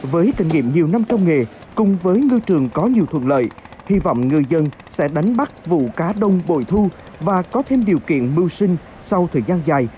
với kinh nghiệm nhiều năm trong nghề cùng với ngư trường có nhiều thuận lợi hy vọng ngư dân sẽ đánh bắt vụ cá đông bội thu và có thêm điều kiện mưu sinh sau thời gian dài